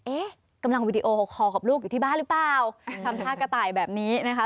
เอ๊ะกำลังวิดีโอคอลกับลูกอยู่ที่บ้านหรือเปล่าทำท่ากระต่ายแบบนี้นะคะ